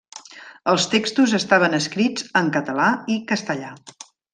Els textos estaven escrits en català i castellà.